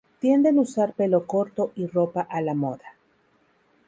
Tienden usar pelo corto y ropa a la moda.